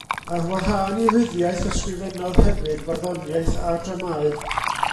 Ar wahân i ryddiaith ysgrifennodd hefyd farddoniaeth a dramâu.